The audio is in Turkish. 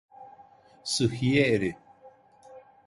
Sıhhiye eri!